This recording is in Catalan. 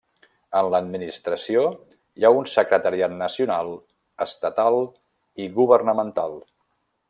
En l'administració hi ha un secretariat nacional, estatal i governamental.